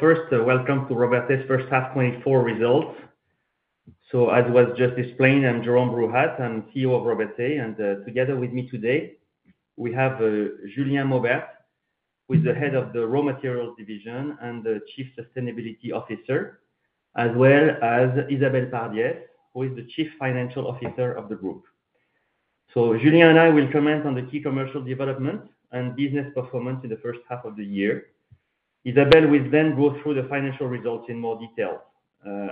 First, welcome to Robertet's first half 2024 results. As was just explained, I'm Jérôme Bruhat, CEO of Robertet, and together with me today, we have Julien Maubert, who is the Head of the Raw Materials division and the Chief Sustainability Officer, as well as Isabelle Pardies, who is the Chief Financial Officer of the group. Julien and I will comment on the key commercial development and business performance in the first half of the year. Isabelle will then go through the financial results in more detail.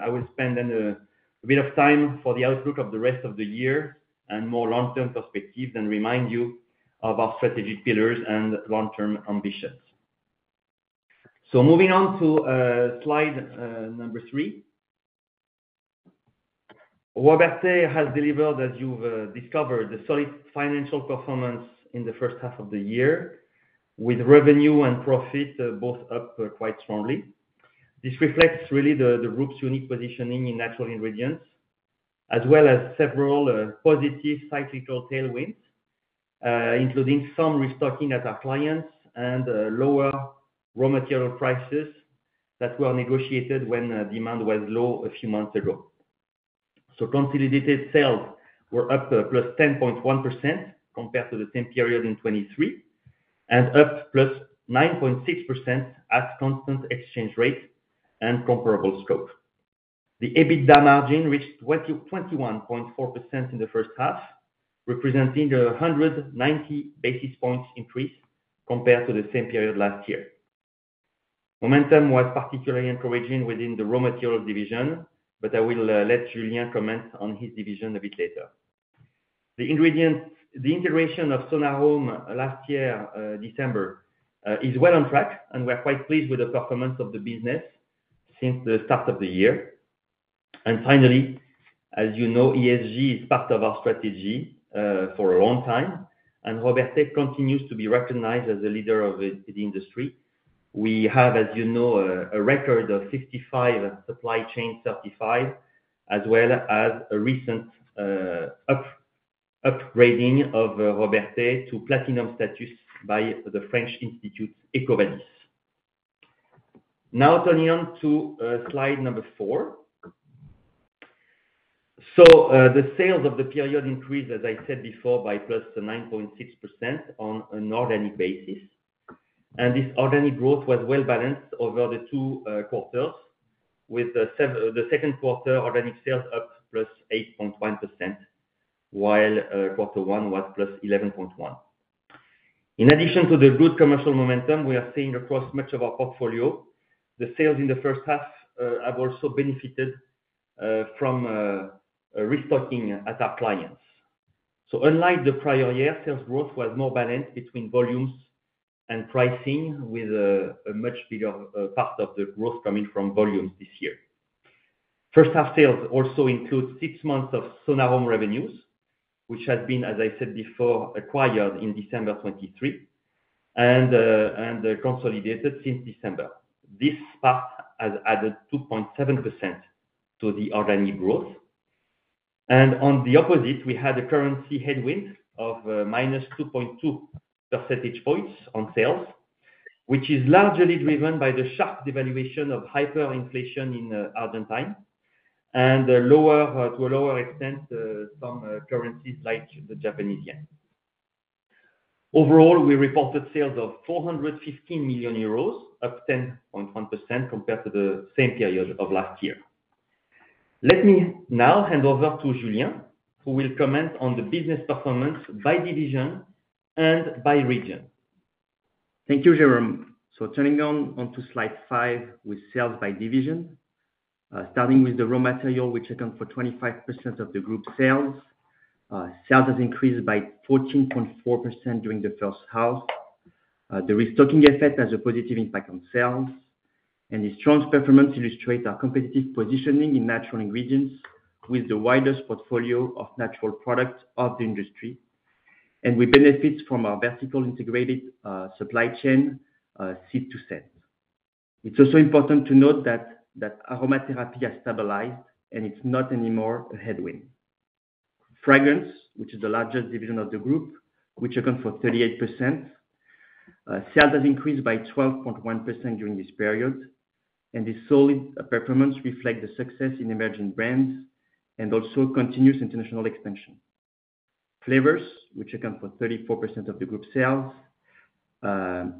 I will spend then a bit of time for the outlook of the rest of the year and more long-term perspective, then remind you of our strategic pillars and long-term ambitions. Moving on to slide number 3. Robertet has delivered, as you've discovered, a solid financial performance in the first half of the year, with revenue and profit both up quite strongly. This reflects really the group's unique positioning in natural ingredients, as well as several positive cyclical tailwinds, including some restocking at our clients and lower raw material prices that were negotiated when demand was low a few months ago. So consolidated sales were up +10.1% compared to the same period in 2023, and up +9.6% at constant exchange rate and comparable scope. The EBITDA margin reached 21.4% in the first half, representing a 190 basis points increase compared to the same period last year. Momentum was particularly encouraging within the raw material division, but I will let Julien comment on his division a bit later. The integration of Sonarome last year, December, is well on track, and we're quite pleased with the performance of the business since the start of the year. Finally, as you know, ESG is part of our strategy for a long time, and Robertet continues to be recognized as a leader of the industry. We have, as you know, a record of 55 supply chains certified, as well as a recent upgrading of Robertet to platinum status by EcoVadis. Now, turning to slide number four. The sales of the period increased, as I said before, by plus 9.6% on an organic basis, and this organic growth was well balanced over the two quarters, with the second quarter organic sales up plus 8.1%, while quarter one was plus 11.1%. In addition to the good commercial momentum we are seeing across much of our portfolio, the sales in the first half have also benefited from a restocking at our clients. Unlike the prior year, sales growth was more balanced between volumes and pricing, with a much bigger part of the growth coming from volumes this year. First half sales also include six months of Sonarome revenues, which has been, as I said before, acquired in December 2023, and consolidated since December. This part has added 2.7% to the organic growth. On the opposite, we had a currency headwind of minus 2.2 percentage points on sales, which is largely driven by the sharp devaluation of hyperinflation in Argentina, and lower, to a lower extent, some currencies like the Japanese yen. Overall, we reported sales of 415 million euros, up 10.1% compared to the same period of last year. Let me now hand over to Julien, who will comment on the business performance by division and by region. Thank you, Jérôme. Turning onto slide five, with sales by division. Starting with the Raw Materials, which account for 25% of the group sales. Sales has increased by 14.4% during the first half. The restocking effect has a positive impact on sales, and the strong performance illustrates our competitive positioning in natural ingredients with the widest portfolio of natural products of the industry, and we benefit from our vertically integrated supply chain, seed to sale. It's also important to note that Aromatherapy has stabilized, and it's not anymore a headwind. Fragrance, which is the largest division of the group, which account for 38%, sales has increased by 12.1% during this period, and the solid performance reflect the success in emerging brands and also continuous international expansion. Flavors, which account for 34% of the group sales,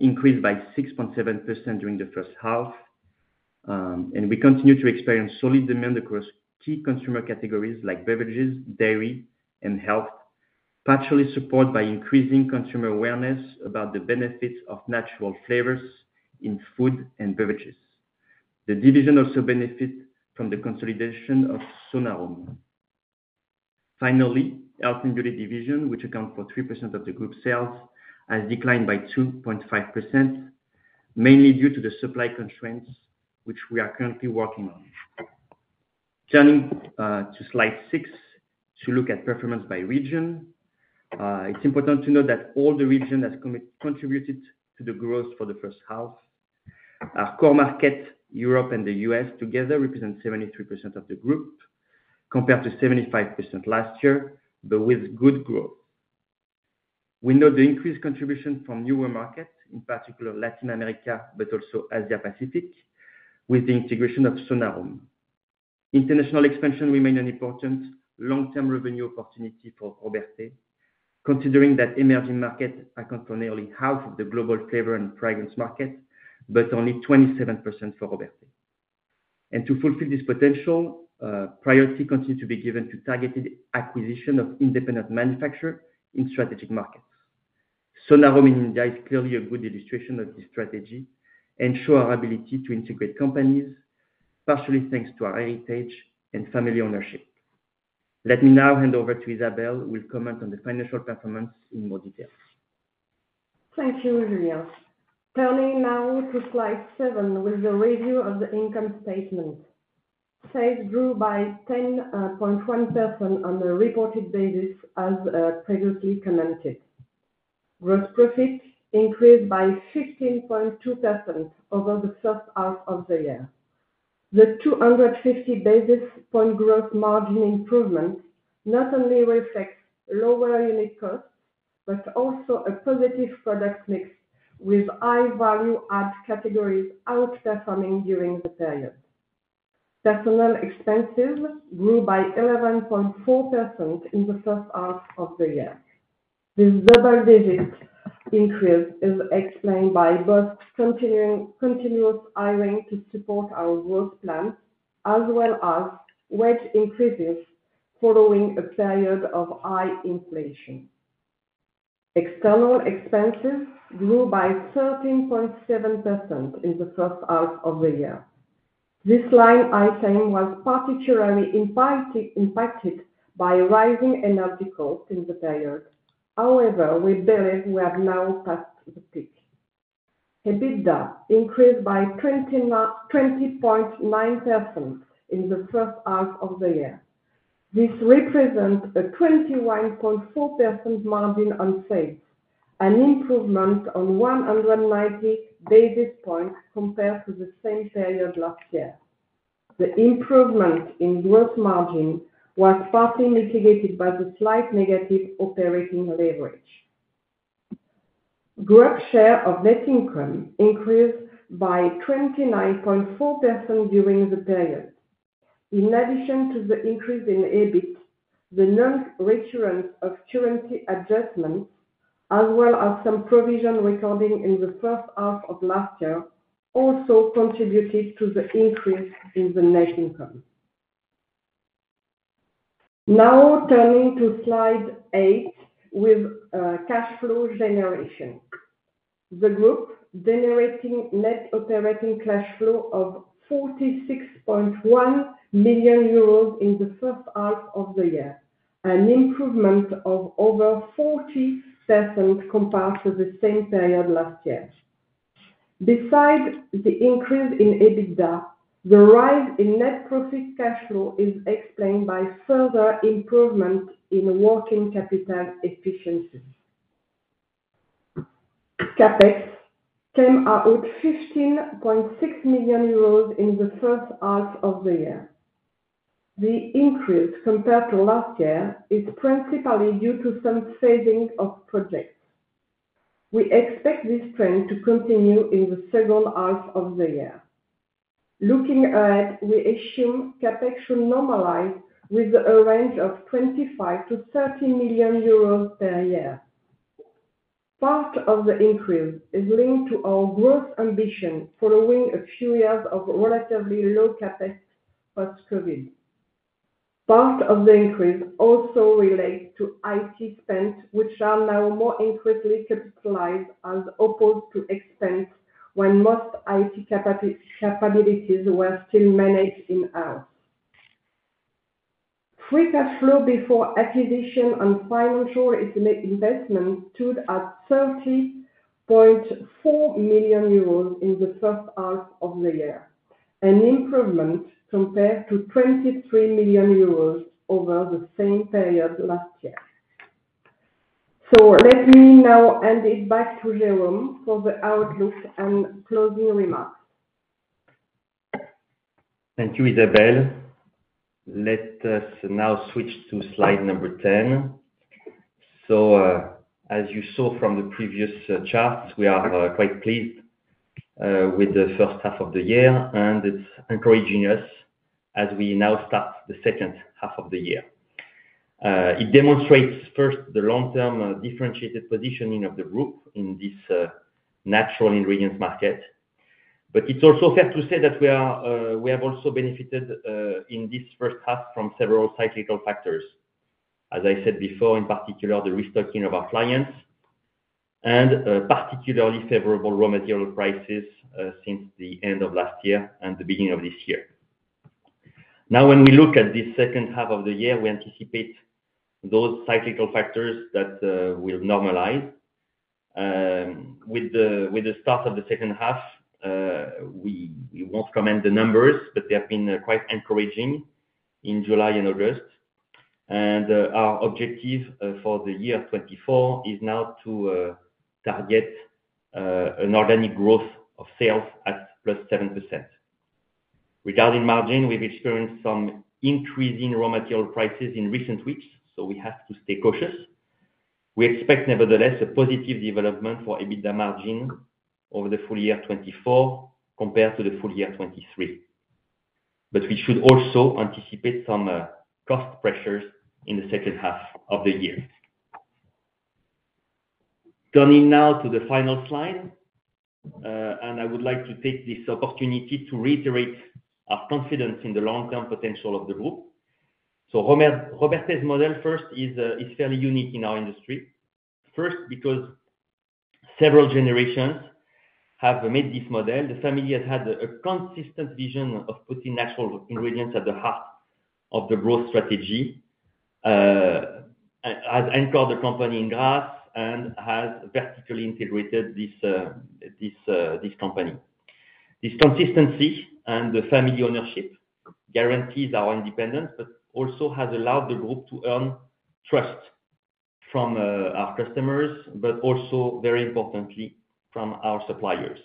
increased by 6.7% during the first half. And we continue to experience solid demand across key consumer categories like beverages, dairy, and health, partially supported by increasing consumer awareness about the benefits of natural flavors in food and beverages. The division also benefits from the consolidation of Sonarome. Finally, Health and Beauty division, which account for 3% of the group sales, has declined by 2.5%, mainly due to the supply constraints, which we are currently working on. Turning to slide 6, to look at performance by region. It's important to note that all the region has contributed to the growth for the first half. Our core market, Europe and the US, together represent 73% of the group, compared to 75% last year, but with good growth.... We note the increased contribution from newer markets, in particular Latin America, but also Asia Pacific, with the integration of Sonarome. International expansion remain an important long-term revenue opportunity for Robertet, considering that emerging markets account for nearly half of the global flavor and fragrance market, but only 27% for Robertet. To fulfill this potential, priority continues to be given to targeted acquisition of independent manufacturer in strategic markets. Sonarome in India is clearly a good illustration of this strategy, ensure our ability to integrate companies, partially thanks to our heritage and family ownership. Let me now hand over to Isabelle, who will comment on the financial performance in more detail. Thank you, Julien. Turning now to slide seven, with a review of the income statement. Sales grew by 10.1% on a reported basis as previously commented. Gross profit increased by 15.2% over the first half of the year. The 250 basis point gross margin improvement not only reflects lower unit costs, but also a positive product mix, with high value add categories outperforming during the period. Personnel expenses grew by 11.4% in the first half of the year. This double digit increase is explained by both continuous hiring to support our growth plans, as well as wage increases following a period of high inflation. External expenses grew by 13.7% in the first half of the year. This line item was particularly impacted by rising energy costs in the period. However, we believe we have now passed the peak. EBITDA increased by 20.9% in the first half of the year. This represent a 21.4% margin on sales, an improvement on 190 basis points compared to the same period last year. The improvement in growth margin was partly mitigated by the slight negative operating leverage. Group share of net income increased by 29.4% during the period. In addition to the increase in EBIT, the non-recurrence of currency adjustments, as well as some provision recording in the first half of last year, also contributed to the increase in the net income. Now turning to slide eight, with cash flow generation. The group generating net operating cash flow of 46.1 million euros in the first half of the year, an improvement of over 40% compared to the same period last year. Besides the increase in EBITDA, the rise in net profit cash flow is explained by further improvement in working capital efficiencies. CapEx came out 15.6 million euros in the first half of the year. The increase compared to last year is principally due to some phasing of projects. We expect this trend to continue in the second half of the year. Looking ahead, we assume CapEx should normalize with a range of 25-30 million euros per year. Part of the increase is linked to our growth ambition following a few years of relatively low CapEx post-COVID. Part of the increase also relates to IT spend, which are now more increasingly capitalized as opposed to expense, when most IT capabilities were still managed in-house. Free cash flow before acquisition and financial investments stood at 30.4 million euros in the first half of the year, an improvement compared to 23 million euros over the same period last year. Let me now hand it back to Jérôme for the outlook and closing remarks. Thank you, Isabelle. Let us now switch to slide number 10. So, as you saw from the previous charts, we are quite pleased with the first half of the year, and it's encouraging us as we now start the second half of the year. It demonstrates first, the long-term differentiated positioning of the group in this natural ingredients market. But it's also fair to say that we are, we have also benefited in this first half from several cyclical factors. As I said before, in particular, the restocking of our clients and particularly favorable raw material prices since the end of last year and the beginning of this year. Now, when we look at this second half of the year, we anticipate those cyclical factors that will normalize. With the start of the second half, we won't comment on the numbers, but they have been quite encouraging in July and August, and our objective for the year 2024 is now to target an organic growth of sales at +7%. Regarding margin, we've experienced some increasing raw material prices in recent weeks, so we have to stay cautious. We expect, nevertheless, a positive development for EBITDA margin over the full year 2024 compared to the full year 2023. But we should also anticipate some cost pressures in the second half of the year. Coming now to the final slide, and I would like to take this opportunity to reiterate our confidence in the long-term potential of the group, so Robertet's model, first, is fairly unique in our industry. First, because several generations have made this model. The family has had a consistent vision of putting natural ingredients at the heart of the growth strategy, has anchored the company in Grasse and has vertically integrated this company. This consistency and the family ownership guarantees our independence, but also has allowed the group to earn trust from our customers, but also, very importantly, from our suppliers.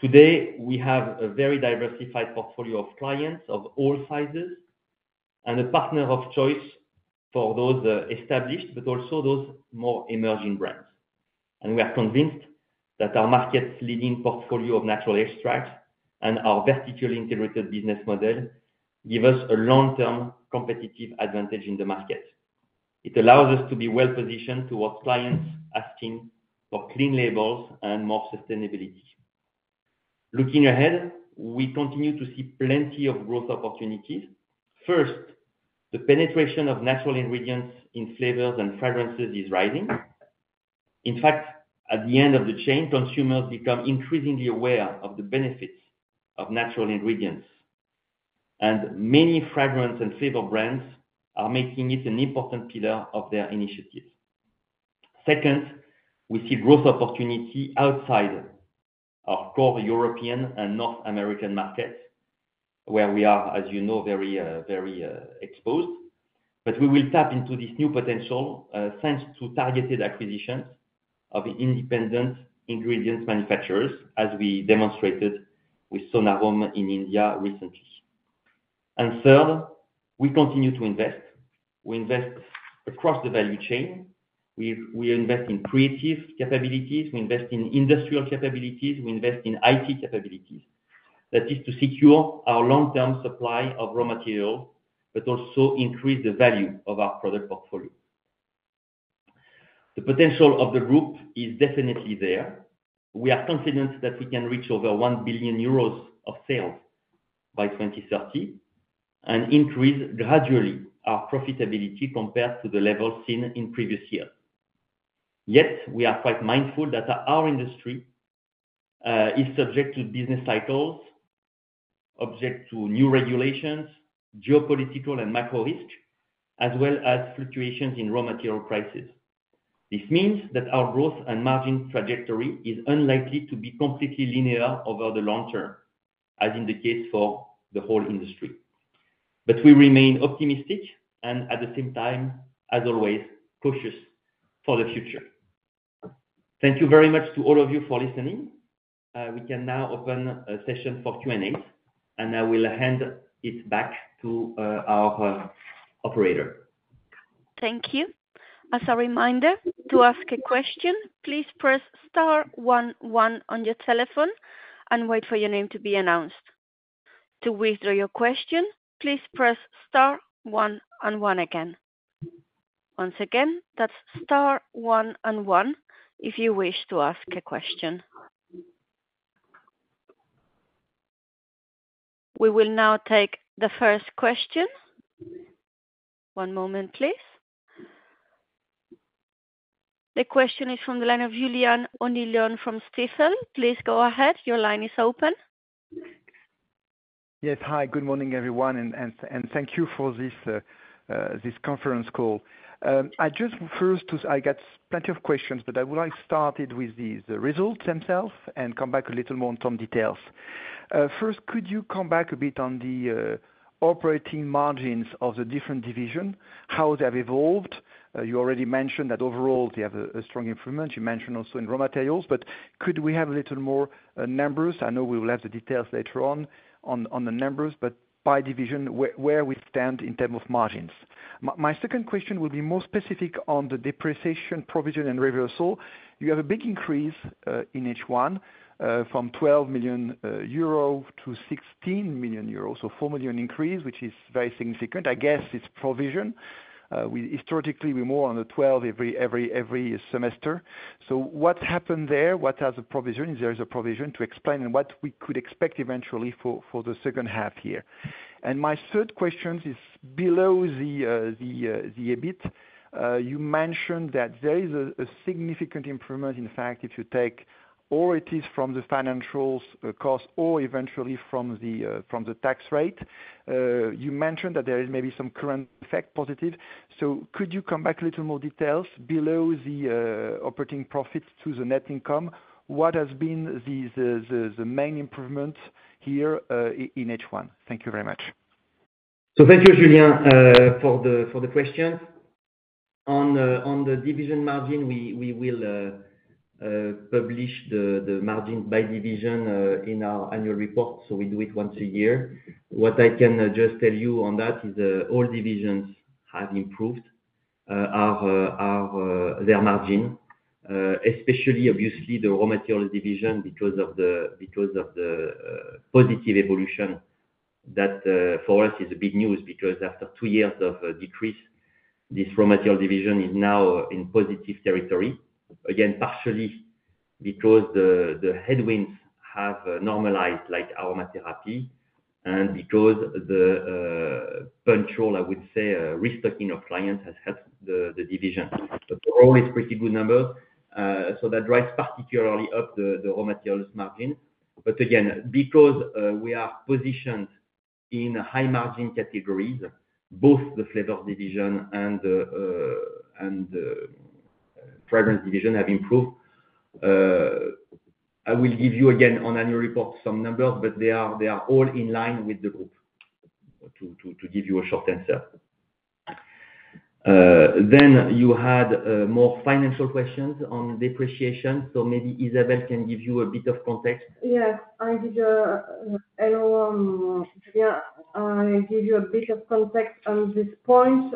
Today, we have a very diversified portfolio of clients of all sizes and a partner of choice for those established, but also those more emerging brands, and we are convinced that our market's leading portfolio of natural extracts and our vertically integrated business model give us a long-term competitive advantage in the market. It allows us to be well-positioned towards clients asking for clean labels and more sustainability. Looking ahead, we continue to see plenty of growth opportunities. First, the penetration of natural ingredients in flavors and fragrances is rising. In fact, at the end of the chain, consumers become increasingly aware of the benefits of natural ingredients, and many fragrance and flavor brands are making it an important pillar of their initiatives. Second, we see growth opportunity outside our core European and North American markets, where we are, as you know, very, very, exposed. But we will tap into this new potential, thanks to targeted acquisitions of independent ingredients manufacturers, as we demonstrated with Sonarome in India recently. And third, we continue to invest. We invest across the value chain. We, we invest in creative capabilities, we invest in industrial capabilities, we invest in IT capabilities. That is to secure our long-term supply of raw material, but also increase the value of our product portfolio. The potential of the group is definitely there. We are confident that we can reach over 1 billion euros of sales by 2030, and increase gradually our profitability compared to the level seen in previous years. Yet, we are quite mindful that our industry is subject to business cycles, subject to new regulations, geopolitical and macro risk, as well as fluctuations in raw material prices. This means that our growth and margin trajectory is unlikely to be completely linear over the long term, as in the case for the whole industry. But we remain optimistic and at the same time, as always, cautious for the future. Thank you very much to all of you for listening. We can now open a session for Q&A, and I will hand it back to our operator. Thank you. As a reminder, to ask a question, please press star one, one on your telephone and wait for your name to be announced. To withdraw your question, please press star one and one again. Once again, that's star one and one if you wish to ask a question. We will now take the first question. One moment, please. The question is from the line of Julien Onillon from Stifel. Please go ahead. Your line is open. Yes. Hi, good morning, everyone, and thank you for this conference call. I got plenty of questions, but I would like started with the results themselves and come back a little more on some details. First, could you come back a bit on the operating margins of the different division, how they have evolved? You already mentioned that overall they have a strong improvement. You mentioned also in raw materials, but could we have a little more numbers? I know we will have the details later on the numbers, but by division, where we stand in terms of margins. My second question will be more specific on the depreciation provision and reversal. You have a big increase in H1 from 12 million euro to 16 million euro. Four million increase, which is very significant. I guess it's provision. We historically, we're more on the twelve every semester. So what happened there? What has the provision, if there is a provision, to explain and what we could expect eventually for the second half year? And my third question is below the EBIT. You mentioned that there is a significant improvement. In fact, if you take or it is from the financial costs or eventually from the tax rate. You mentioned that there is maybe some currency effect positive. So could you come back a little more details below the operating profits to the net income? What has been the main improvement here, in H one? Thank you very much.... So thank you, Julian, for the question. On the division margin, we will publish the margin by division in our annual report, so we do it once a year. What I can just tell you on that is, all divisions have improved their margin, especially obviously the raw material division because of the positive evolution that for us is a big news because after two years of decrease, this raw material division is now in positive territory. Again, partially because the headwinds have normalized, like aromatherapy, and because the control, I would say, restocking of clients has helped the division. But they're always pretty good numbers, so that drives particularly up the raw materials margin. But again, because we are positioned in high margin categories, both the flavor division and the fragrance division have improved. I will give you again on annual report some numbers, but they are all in line with the group, to give you a short answer. Then you had more financial questions on depreciation, so maybe Isabelle can give you a bit of context. Yes, I did, and, yeah, I give you a bit of context on this point.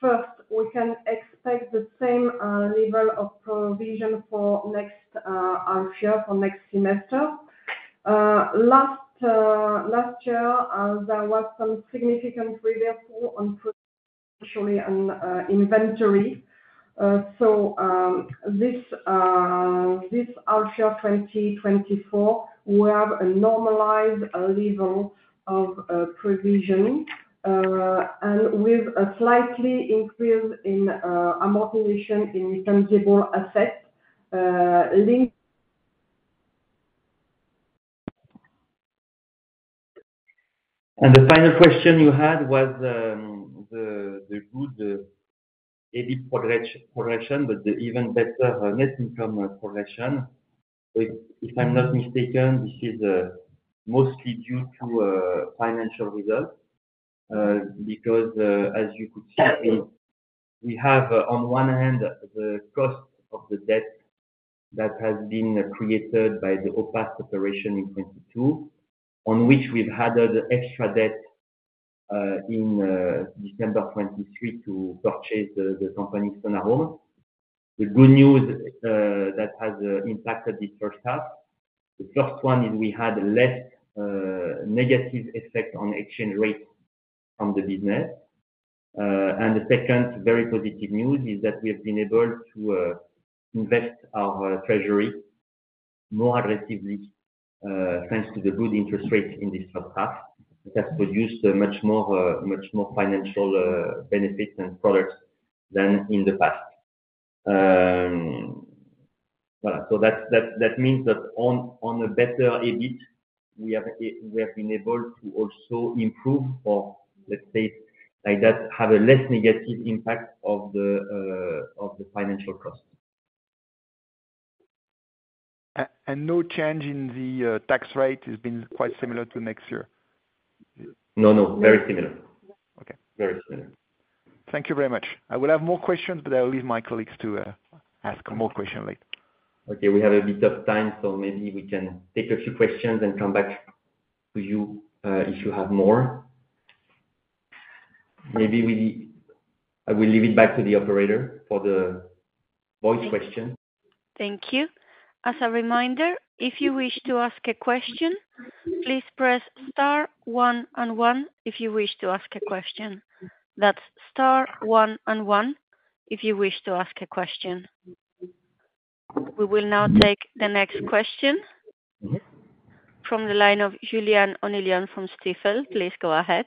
First, we can expect the same level of provision for next year, for next semester. Last year, there was some significant reversal, actually, on inventory. So, this year 2024, we have a normalized level of provision, and with a slightly increase in amortization of intangible assets, linked- And the final question you had was, the good EBIT progression, but the even better net income progression. If I'm not mistaken, this is mostly due to financial results, because as you could see, we have on one hand, the cost of the debt that has been created by the OPAS operation in 2022, on which we've added extra debt in December 2023 to purchase the company Sonarome. The good news that has impacted this first half, the first one is we had less negative effect on exchange rates from the business. And the second very positive news is that we have been able to invest our treasury more aggressively, thanks to the good interest rates in this first half, that has produced a much more financial benefits and products than in the past. Well, so that means that on a better EBIT, we have been able to also improve or let's say, like, that have a less negative impact of the financial cost. And no change in the tax rate, it's been quite similar to next year? No, no, very similar. Okay. Very similar. Thank you very much. I will have more questions, but I will leave my colleagues to ask more questions later. Okay. We have a bit of time, so maybe we can take a few questions and come back to you, if you have more. Maybe I will leave it back to the operator for the voice question. Thank you. As a reminder, if you wish to ask a question, please press star one and one if you wish to ask a question. That's star one and one, if you wish to ask a question. We will now take the next question from the line of Julian Onillon from Stifel. Please go ahead.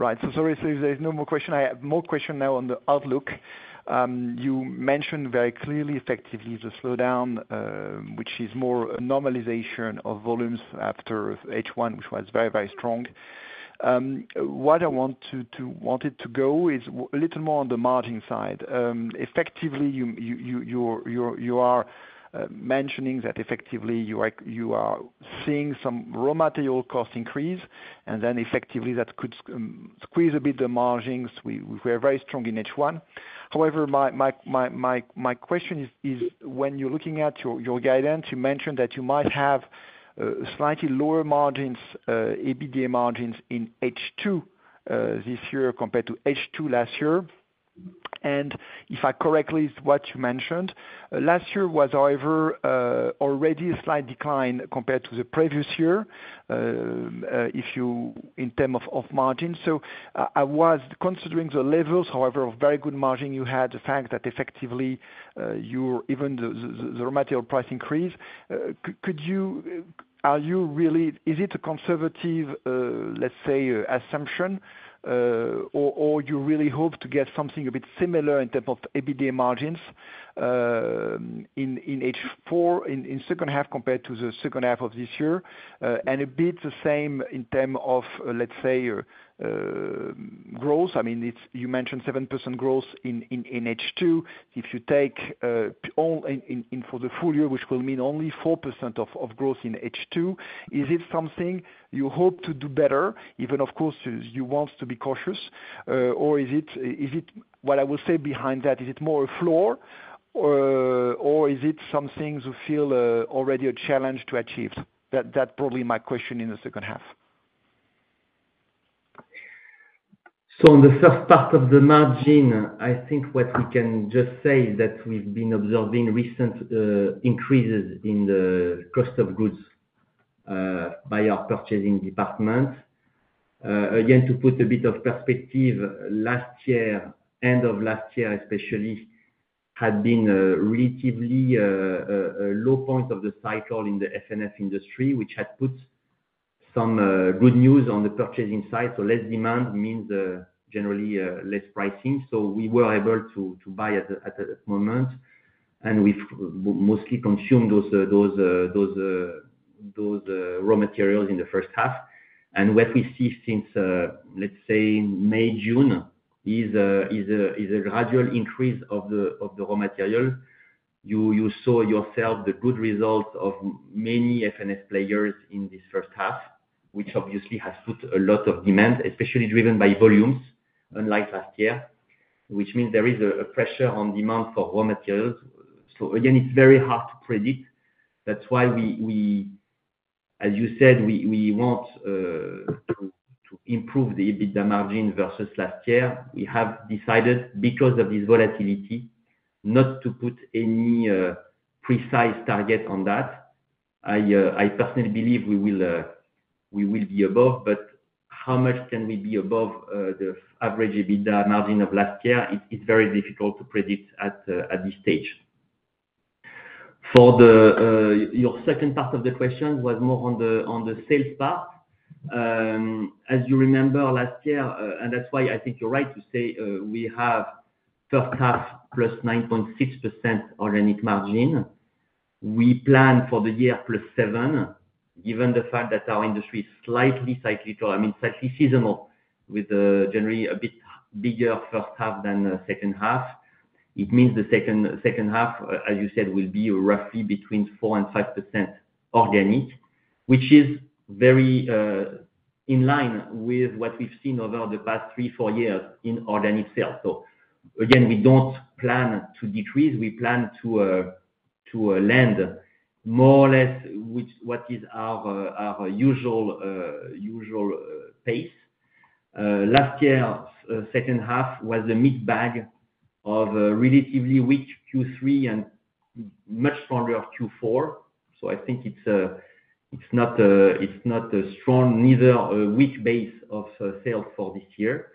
Right. So sorry, so if there's no more question, I have more question now on the outlook. You mentioned very clearly, effectively, the slowdown, which is more a normalization of volumes after H1, which was very, very strong. What I wanted to go is a little more on the margin side. Effectively, you are mentioning that effectively, you are seeing some raw material cost increase, and then effectively that could squeeze a bit the margins. We are very strong in H1. However, my question is when you're looking at your guidance, you mentioned that you might have slightly lower margins, EBITDA margins in H2 this year compared to H2 last year. If I understand correctly what you mentioned, last year was, however, already a slight decline compared to the previous year, in terms of margins. So I was considering the levels, however, of very good margins you had, the fact that effectively, even the raw material price increase. Could you say, are you really hoping—is it a conservative, let's say, assumption, or do you really hope to get something a bit similar in terms of EBITDA margins? In H2, in the second half compared to the second half of this year, and a bit the same in terms of, let's say, growth. I mean, you mentioned 7% growth in H2. If you take all in for the full year, which will mean only 4% of growth in H2, is it something you hope to do better, even of course, is you want to be cautious? Or is it... What I will say behind that, is it more a floor, or is it something you feel already a challenge to achieve? That probably my question in the second half. So on the first part of the margin, I think what we can just say is that we've been observing recent increases in the cost of goods by our purchasing department. Again, to put a bit of perspective, last year, end of last year especially, had been relatively a low point of the cycle in the F&F industry, which had put some good news on the purchasing side. So less demand means generally less pricing. So we were able to buy at a moment, and we've mostly consumed those raw materials in the first half. And what we see since, let's say May, June, is a gradual increase of the raw material. You saw yourself the good results of many F&S players in this first half, which obviously has put a lot of demand, especially driven by volumes, unlike last year, which means there is a pressure on demand for raw materials. So again, it's very hard to predict. That's why we, as you said, want to improve the EBITDA margin versus last year. We have decided, because of this volatility, not to put any precise target on that. I personally believe we will be above, but how much can we be above the average EBITDA margin of last year? It's very difficult to predict at this stage. For your second part of the question, was more on the sales part. As you remember, last year, and that's why I think you're right to say, we have first half plus 9.6% organic margin. We plan for the year plus 7%, given the fact that our industry is slightly cyclical, I mean, slightly seasonal, with generally a bit bigger first half than the second half. It means the second half, as you said, will be roughly between 4% and 5% organic, which is very in line with what we've seen over the past three, four years in organic sales. So again, we don't plan to decrease. We plan to land more or less, which is our usual pace. Last year, second half, was a mixed bag of a relatively weak Q3 and much stronger Q4. I think it's not a strong, neither a weak base of sales for this year,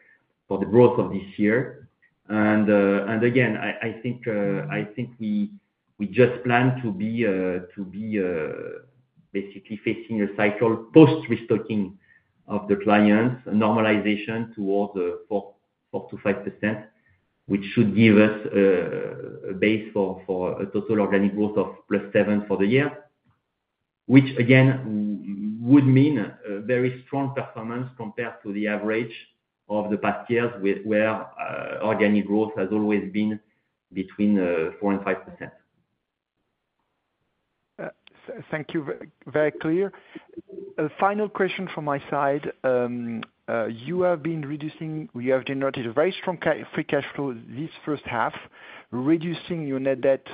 for the growth of this year. And again, I think we just plan to be basically facing a cycle post-restocking of the clients, normalization towards 4-5%, which should give us a base for a total organic growth of +7% for the year. Which again would mean a very strong performance compared to the average of the past years, where organic growth has always been between 4% and 5%. Thank you. Very clear. A final question from my side. We have generated a very strong free cash flow this first half, reducing your net debt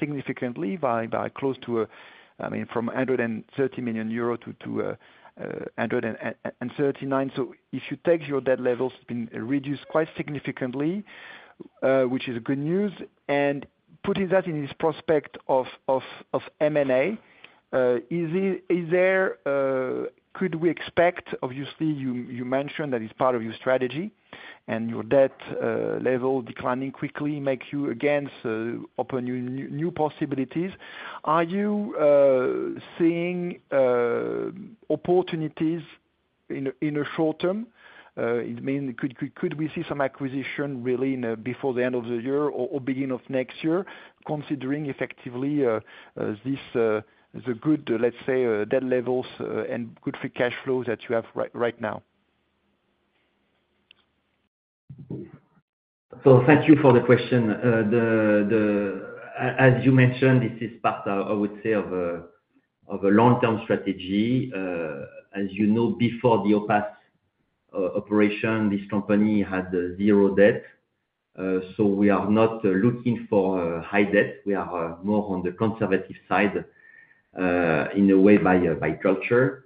significantly, I mean, from 130 million euro to 139 million. So if you take your debt levels been reduced quite significantly, which is a good news, and putting that in this prospect of M&A, is there could we expect. Obviously, you mentioned that it's part of your strategy, and your debt level declining quickly make you again open new possibilities. Are you seeing opportunities in a short term? I mean, could we see some acquisition really in before the end of the year or beginning of next year, considering effectively this, the good, let's say, debt levels and good free cash flows that you have right now? So thank you for the question. As you mentioned, this is part, I would say, of a long-term strategy. As you know, before the OPAS operation, this company had zero debt, so we are not looking for high debt. We are more on the conservative side, in a way, by culture.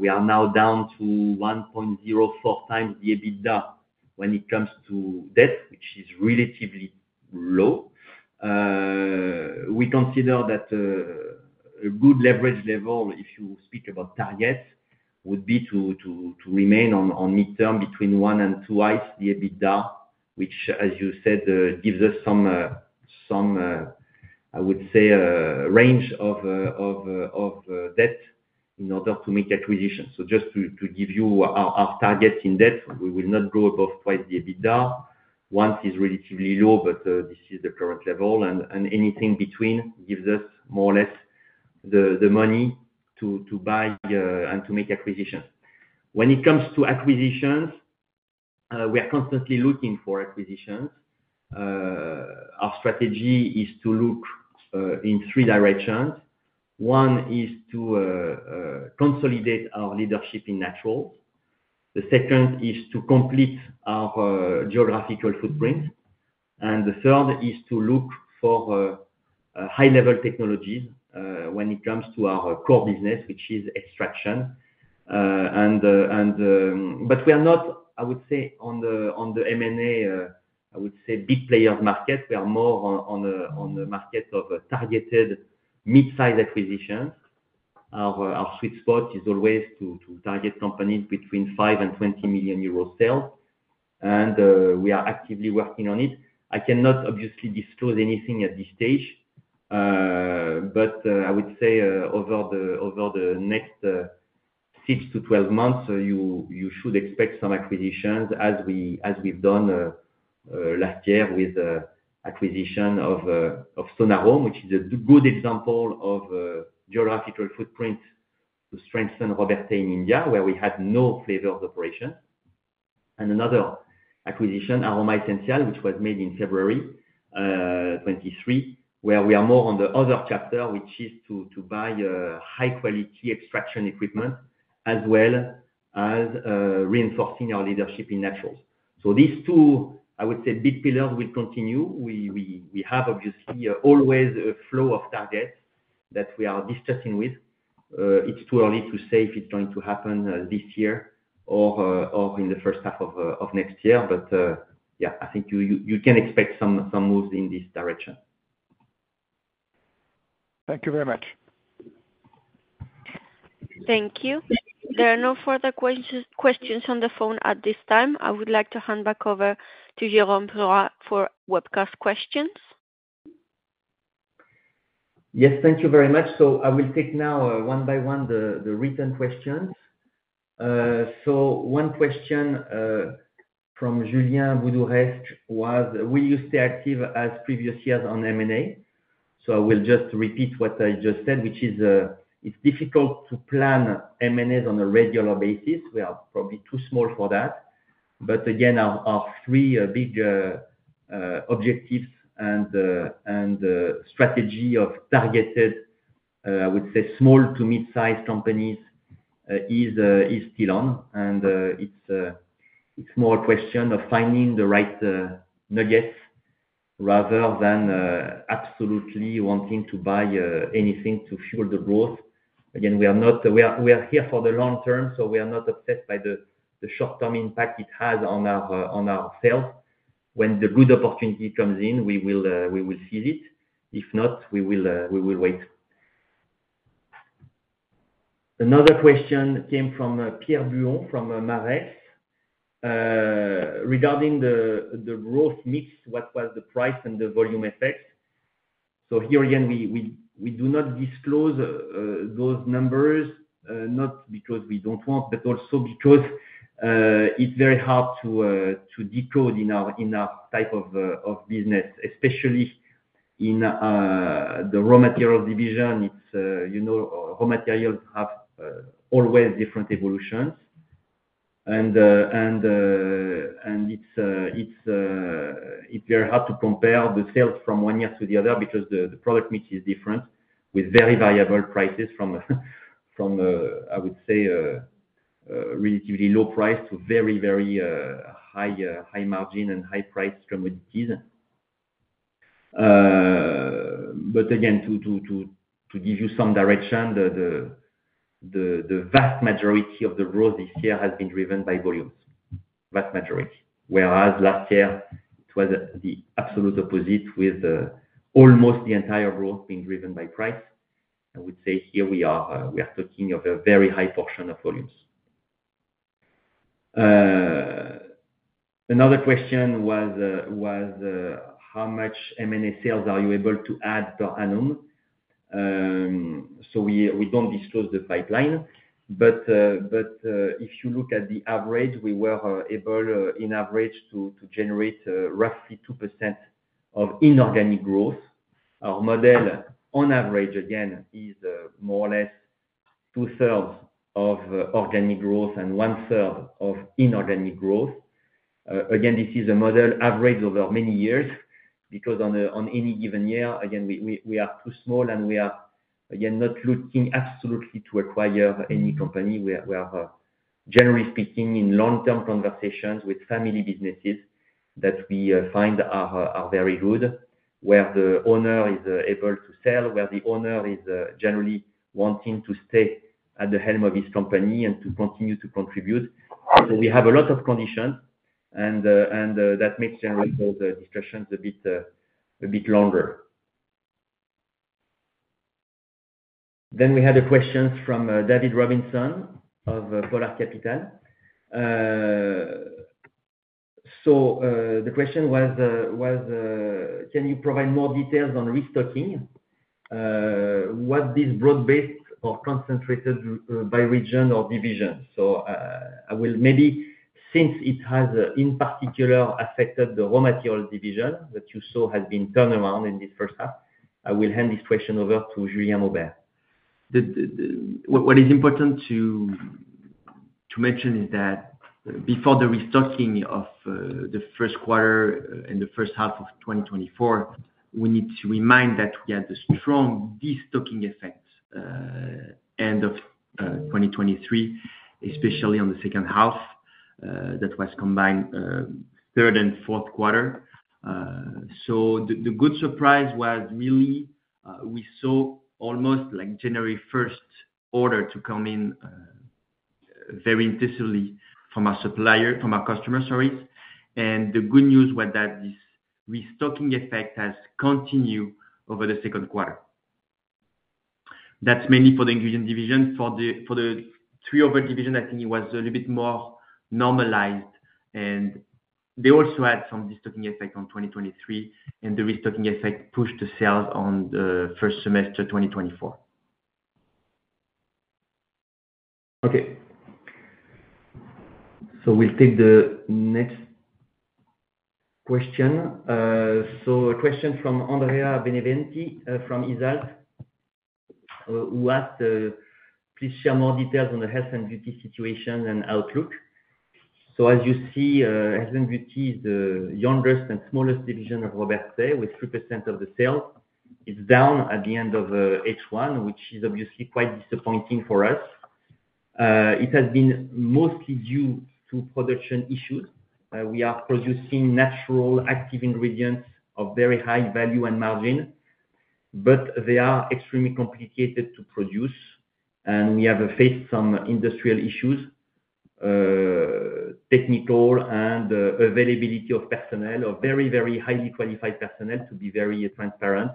We are now down to 1.04 times the EBITDA when it comes to debt, which is relatively low. We consider that a good leverage level. If you speak about targets, it would be to remain on midterm between one and two times the EBITDA, which, as you said, gives us some. I would say, a range of debt in order to make acquisitions. So just to give you our targets in debt, we will not go above twice the EBITDA. One is relatively low, but this is the current level, and anything between gives us more or less the money to buy and to make acquisitions. When it comes to acquisitions, we are constantly looking for acquisitions. Our strategy is to look in three directions. One is to consolidate our leadership in natural. The second is to complete our geographical footprint, and the third is to look for high-level technologies when it comes to our core business, which is extraction. But we are not, I would say, on the M&A, I would say, big player market. We are more on the market of targeted mid-size acquisitions. Our sweet spot is always to target companies between 5 and 20 million euros, and we are actively working on it. I cannot obviously disclose anything at this stage, but I would say over the next 6 to 12 months, you should expect some acquisitions as we've done last year with acquisition of Sonarome, which is a good example of geographical footprint to strengthen Robertet in India, where we had no flavor of operation. And another acquisition, Aroma Esencial, which was made in February 2023, where we are more on the other chapter, which is to buy high-quality extraction equipment, as well as reinforcing our leadership in naturals. So these two, I would say, big pillars will continue. We have obviously always a flow of targets that we are discussing with. It's too early to say if it's going to happen this year or in the first half of next year. But yeah, I think you can expect some moves in this direction. Thank you very much. Thank you. There are no further questions on the phone at this time. I would like to hand back over to Jérôme Bruhat for webcast questions. Yes, thank you very much. So I will take now one by one the written questions. So one question from Julien Badoureaux was, will you stay active as previous years on M&A? So I will just repeat what I just said, which is, it's difficult to plan M&As on a regular basis. We are probably too small for that. But again, our three big objectives and strategy of targeted I would say small to mid-sized companies is still on. And it's more a question of finding the right nuggets rather than absolutely wanting to buy anything to fuel the growth. Again, we are here for the long term, so we are not obsessed by the short-term impact it has on our sales. When the good opportunity comes in, we will seize it. If not, we will wait. Another question came from Pierre Buron, from Midcap Partners. Regarding the growth mix, what was the price and the volume effect? So here again, we do not disclose those numbers, not because we don't want, but also because it's very hard to decode in our type of business, especially in the raw material division. It's, you know, raw materials have always different evolutions. It's very hard to compare the sales from one year to the other because the product mix is different, with very variable prices from, I would say, relatively low price to very high margin and high price commodities. But again, to give you some direction, the vast majority of the growth this year has been driven by volumes, vast majority. Whereas last year, it was the absolute opposite, with almost the entire growth being driven by price. I would say here we are talking of a very high portion of volumes. Another question was how much M&A sales are you able to add per annum? So we don't disclose the pipeline, but if you look at the average, we were able in average to generate roughly 2% of inorganic growth. Our model, on average, again, is more or less two-thirds of organic growth and one-third of inorganic growth. Again, this is a model average over many years, because on any given year, again, we are too small, and we are again not looking absolutely to acquire any company. We are generally speaking in long-term conversations with family businesses that we find are very good, where the owner is able to sell, where the owner is generally wanting to stay at the helm of his company and to continue to contribute. So we have a lot of conditions, and that makes generally those discussions a bit longer. Then we had a question from David Robinson of Polar Capital. So, the question was: Can you provide more details on restocking? Was this broad-based or concentrated by region or division? So, I will maybe, since it has, in particular, affected the raw material division that you saw has been turned around in this first half, I will hand this question over to Julien Maubert. What is important to mention is that before the restocking of the first quarter and the first half of twenty twenty-four, we need to remind that we had a strong destocking effect end of twenty twenty-three, especially on the second half that was combined third and fourth quarter. So the good surprise was really we saw almost like January first order to come in very intensely from our supplier, from our customer, sorry. And the good news was that this restocking effect has continued over the second quarter. That's mainly for the ingredient division. For the three other division, I think it was a little bit more normalized, and they also had some destocking effect on twenty twenty-three, and the restocking effect pushed the sales on the first semester, 2024. Okay. So we'll take the next question. So a question from Andrea Beneventi from Equita, who asked: Please share more details on the health and beauty situation and outlook. So as you see, health and beauty is the youngest and smallest division of Robertet, with 3% of the sales. It's down at the end of H1, which is obviously quite disappointing for us. It has been mostly due to production issues. We are producing natural active ingredients of very high value and margin, but they are extremely complicated to produce, and we have faced some industrial issues, technical and availability of personnel, of very, very highly qualified personnel, to be very transparent,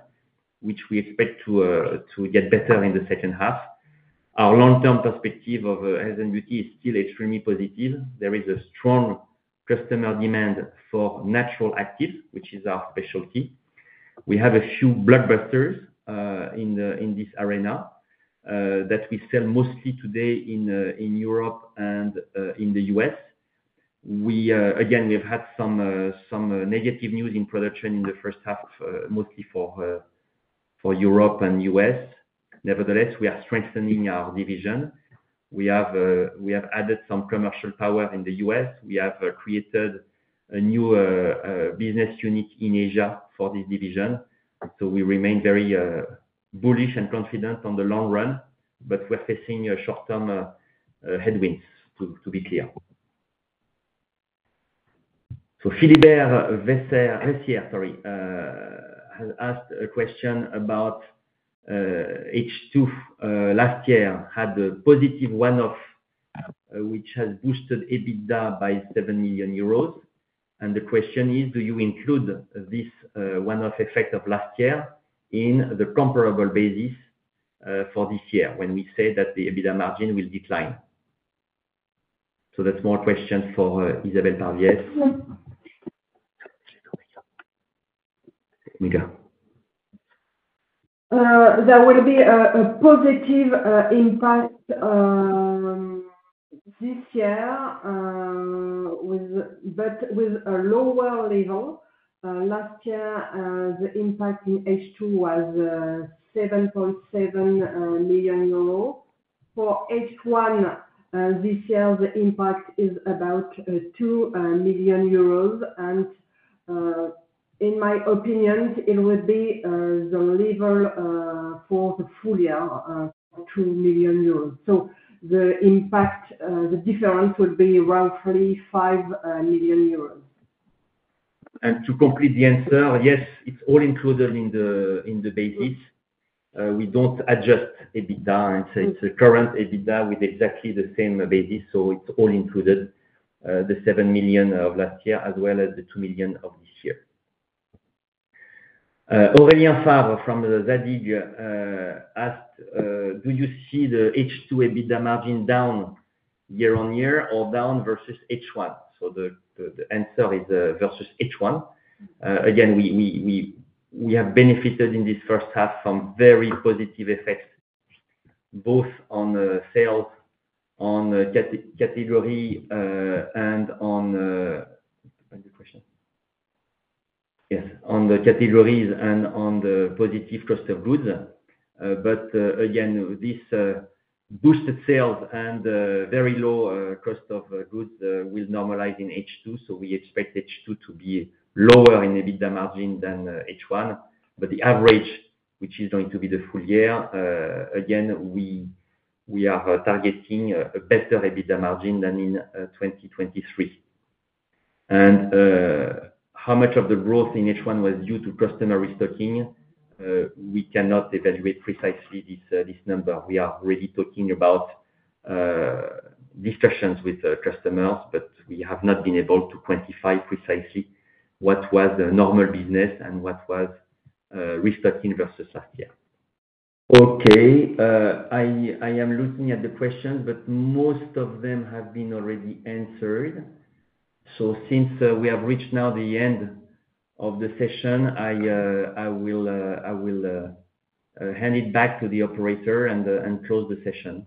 which we expect to get better in the second half. Our long-term perspective of health and beauty is still extremely positive. There is a strong customer demand for natural actives, which is our specialty. We have a few blockbusters in this arena that we sell mostly today in Europe and in the U.S. Again, we've had some negative news in production in the first half of mostly for Europe and U.S. Nevertheless, we are strengthening our division. We have added some commercial power in the U.S. We have created a new business unit in Asia for this division. We remain very bullish and confident in the long run, but we're facing short-term headwinds, to be clear. Philibert Vessière, sorry, has asked a question about H2. Last year had a positive one-off, which has boosted EBITDA by 7 million euros. And the question is: Do you include this one-off effect of last year in the comparable basis for this year, when we say that the EBITDA margin will decline? So that's more a question for Isabelle Pardies. There will be a positive impact this year, but with a lower level. Last year, the impact in H2 was 7.7 million euros. For H1 this year, the impact is about 2 million euros and, in my opinion, it would be the level for the full year, 2 million euros. So the impact, the difference would be roughly 5 million euros. And to complete the answer, yes, it's all included in the basis. We don't adjust EBITDA, and so it's a current EBITDA with exactly the same basis, so it's all included, the seven million of last year, as well as the two million of this year. Aurélien Favre from Zadig asked: Do you see the H2 EBITDA margin down year on year or down versus H1? So the answer is versus H1. Again, we have benefited in this first half from very positive effects, both on the sales, on the category, and on the positive cost of goods. But again, this boosted sales and very low cost of goods will normalize in H2. So we expect H2 to be lower in EBITDA margin than H1. But the average, which is going to be the full year, again, we are targeting a better EBITDA margin than in 2023. And how much of the growth in H1 was due to customer restocking? We cannot evaluate precisely this number. We are already talking about discussions with customers, but we have not been able to quantify precisely what was the normal business and what was restocking versus last year. Okay, I am looking at the questions, but most of them have been already answered. So since we have reached now the end of the session, I will hand it back to the operator and close the session.